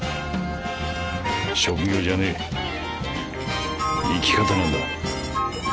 職業じゃねえ生き方なんだ。